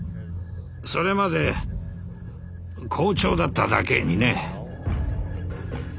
それまで好調だっただけにね。